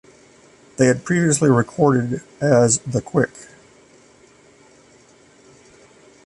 They had previously recorded as The Quick.